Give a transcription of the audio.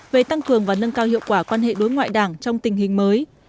về tăng cường và nâng cao hiệu quả quan hệ đối ngoại đảng trong tình hình mới